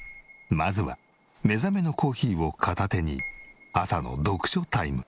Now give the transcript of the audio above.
まずは目覚めのコーヒーを片手に朝の読書タイム。